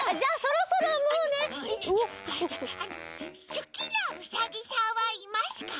すきなウサギさんはいますか？